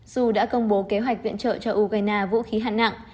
dù đã công bố kế hoạch viện trợ cho ukraine vũ khí hạng nặng